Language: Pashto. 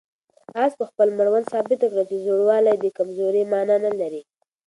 آس په خپل مړوند ثابته کړه چې زوړوالی د کمزورۍ مانا نه لري.